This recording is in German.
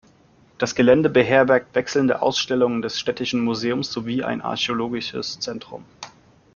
Das Gelände beherbergt wechselnde Ausstellungen des städtischen Museums sowie ein archäologisches Zentrum.